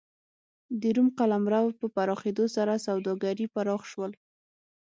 د روم قلمرو په پراخېدو سره سوداګري پراخ شول.